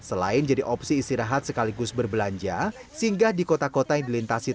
selain jadi opsi istirahat sekaligus berbelanja singgah di kota kota yang dilintasi